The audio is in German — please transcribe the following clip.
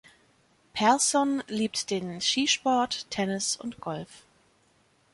Persson liebt den Skisport, Tennis und Golf.